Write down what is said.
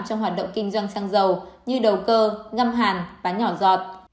trong hoạt động kinh doanh xăng dầu như đầu cơ găm hàn bán nhỏ giọt